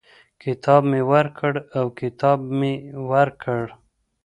کتاب مي ورکړ او کتاب مې ورکړ.